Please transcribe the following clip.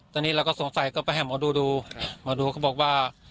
ตอนนี้เราก็สงสัยก็ไปให้หมอดูดูหมอดูเขาบอกว่า